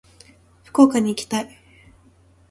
福岡に行きたい。